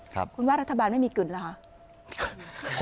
คุณว่ารัฐบาลไม่มีกลิ่นเหรอคะ